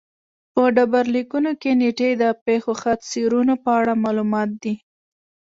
په ډبرلیکونو کې نېټې د پېښو خط سیرونو په اړه معلومات دي